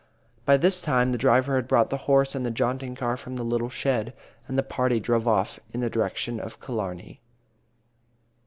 By this time the driver had brought the horse and the jaunting car from the little shed, and the party drove off in the direction of Killarney.